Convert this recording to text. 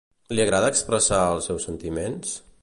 Li agrada expressar els seus sentiments?